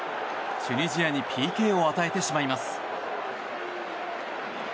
チュニジアにＰＫを与えてしまいます。